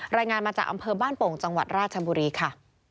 รายงานมาจากอำเภอบ้านโป่งจังหวัดราชบุรีค่ะ